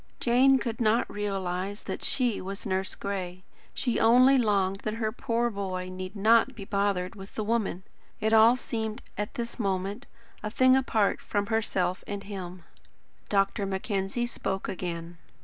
Jane could not realise that SHE was "Nurse Gray." She only longed that her poor boy need not be bothered with the woman! It all seemed, at this moment, a thing apart from herself and him. Dr. Mackenzie spoke again.